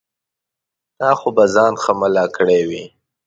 تا خو به ځان ښه ملا کړی وي.